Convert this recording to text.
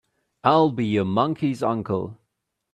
I'll be a monkey's uncle!